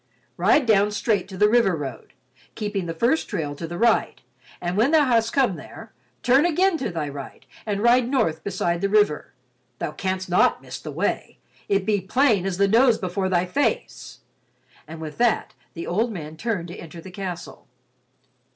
"Ride down straight to the river road, keeping the first trail to the right, and when thou hast come there, turn again to thy right and ride north beside the river—thou canst not miss the way—it be plain as the nose before thy face," and with that the old man turned to enter the castle.